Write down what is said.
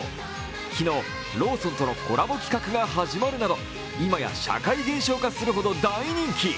昨日、ローソンとのコラボ企画が始まるなど今や社会現象化するほど大人気。